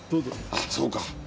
あっそうか。